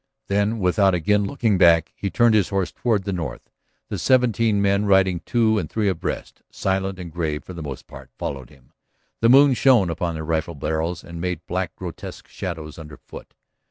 Then, without again looking back, he turned his horse toward the north. The seventeen men, riding two and three abreast, silent and grave for the most part, followed him. The moon shone upon their rifle barrels and made black, grotesque shadows underfoot.